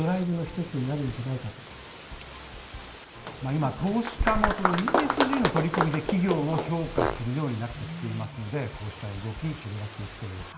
今、投資家もＥＳＧの取り組みで企業を評価するようになってきていますので、こうした動き、広がっていきそうです。